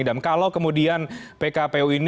itu bukan sekedar inspirasi leaving